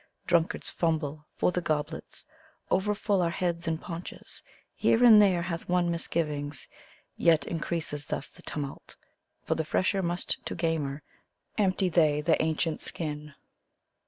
Drunkards fumble for the goblets, over full are heads and paunches; Here and there hath one misgivings, yet increases thus the tumult; For, the fresher must to gamer, empty they the ancient skin!